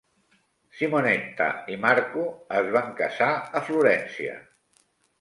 Simonetta i Marco es van casar a Florència.